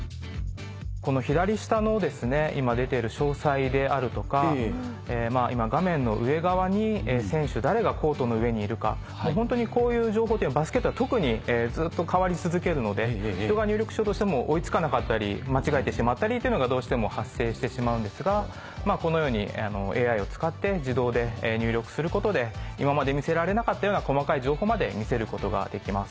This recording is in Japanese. この左下の今出ている詳細であるとか今画面の上側に選手誰がコートの上にいるかホントにこういう情報っていうのはバスケットでは特にずっと変わり続けるので人が入力しようとしても追い付かなかったり間違えてしまったりというのがどうしても発生してしまうんですがこのようにＡＩを使って自動で入力することで今まで見せられなかったような細かい情報まで見せることができます。